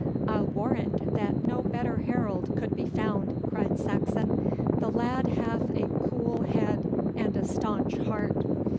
'I'll warrant that no better herald could be found,' cried Saxon. 'The lad hath a cool head and a staunch heart.